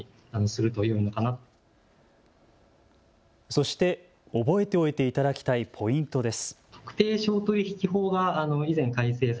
そして覚えておいていただきたいポイントです。